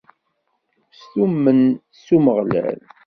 Stummen s Umeɣlal.